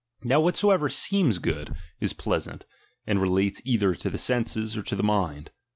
Now whatsoever seems good, is pleasant, and relates either to the senses, or the mind.